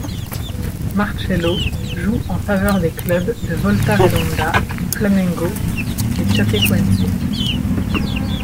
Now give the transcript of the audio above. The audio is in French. Marcelo joue en faveur des clubs de Volta Redonda, Flamengo et Chapecoense.